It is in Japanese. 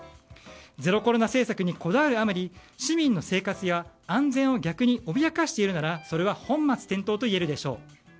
ゼロコロナ政策にこだわるあまり市民の生活や安全を逆に脅かしているならそれは本末転倒と言えるでしょう。